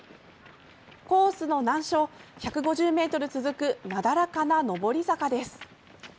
コースの難所、１５０ｍ続くなだらかな上り坂です。